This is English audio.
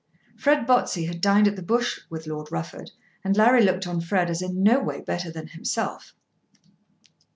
Fred Botsey had dined at the Bush with Lord Rufford, and Larry looked on Fred as in no way better than himself.